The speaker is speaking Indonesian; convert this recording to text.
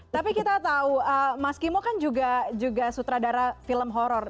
tapi kita tahu mas kimo kan juga sutradara film horror